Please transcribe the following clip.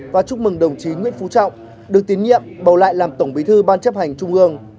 và chúc mừng đồng chí nguyễn phú trọng được tín nhiệm bầu lại làm tổng bí thư ban chấp hành trung ương